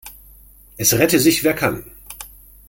Es rette sich, wer kann.